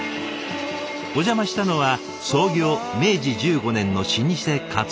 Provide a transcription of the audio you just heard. お邪魔したのは創業明治１５年の老舗鰹節店。